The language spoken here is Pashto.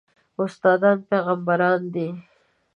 استادان پېغمبران دي